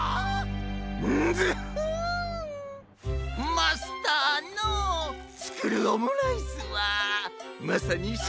マスターのつくるオムライスはまさにし